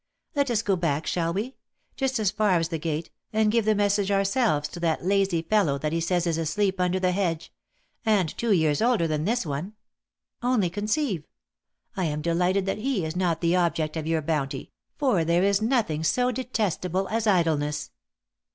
Let us go back, shall we? — just as far as the gate, and give the message ourselves to that lazy fellow that he says is asleep under the hedge — and two years older than this one. — Only conceive !— I am delighted that he is not to be the object of your bounty, for there is nothing so detestable as idleness."